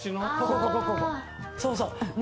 そうそう。